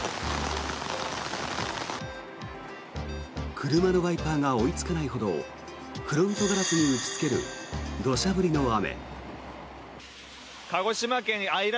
車のワイパーが追いつかないほどフロントガラスに打ちつける土砂降りの雨。